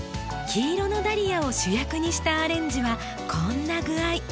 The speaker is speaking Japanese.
黄色のダリアを主役にしたアレンジはこんな具合。